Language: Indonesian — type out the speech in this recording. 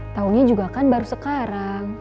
tahunnya juga kan baru sekarang